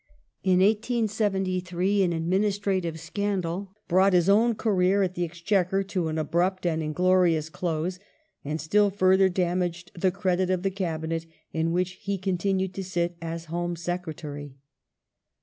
In 1873 an administrative scandal^ brought his own career at the Exchequer to an abrupt and inglorious close, and still further damaged the credit of the Cabinet in which he continued to sit as Home Secretary.